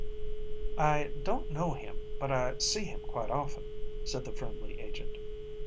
"I don't know him, but I see him quite often," said the friendly agent.